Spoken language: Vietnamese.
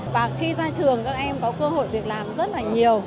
và khi ra trường các em có cơ hội việc làm rất là nhiều